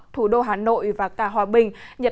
thủ đô hà nội và cả hòa bình